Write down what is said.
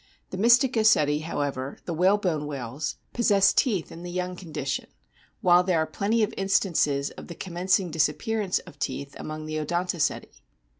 The Mystacoceti, however, the " whalebone whales," possess teeth in the young condition, while there are plenty of instances of the commencing disappearance of teeth among the Odontoceti.